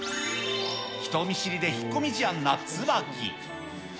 人見知りで引っ込み思案なつばき。